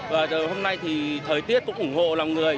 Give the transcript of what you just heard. và hôm nay thì thời tiết cũng ủng hộ lòng người